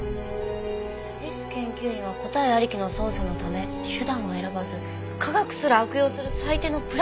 「Ｓ研究員は答えありきの捜査のため手段を選ばず科学すら悪用する最低のブラック科学者」。